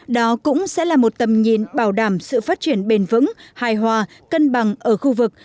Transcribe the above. đó cũng sẽ là một tầm nhìn bảo đảm sự phát triển bền vững hài hòa cân bằng ở khu vực